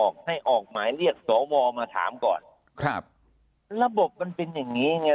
แก้ออกหมายเรียกสาวมาถามก่อนละบบเป็นอย่างนี้นะ